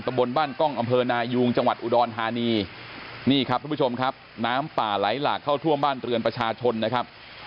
บนบ้านกล้องอำเภอนายุงจังหวัดอุดรธานีนี่ครับทุกผู้ชมครับน้ำป่าไหลหลากเข้าท่วมบ้านเรือนประชาชนนะครับ